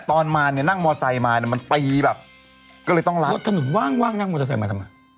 ตอนมาเนี้ยนั่งมอเตอร์ไซต์มาเนี้ยมันตีแบบก็เลยต้องรับรถสนุนว่างว่างนั่งมอเตอร์ไซต์มาทำไม